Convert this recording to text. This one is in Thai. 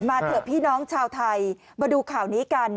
เถอะพี่น้องชาวไทยมาดูข่าวนี้กัน